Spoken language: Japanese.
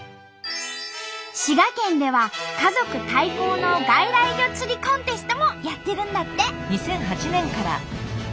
滋賀県では家族対抗の外来魚釣りコンテストもやってるんだって。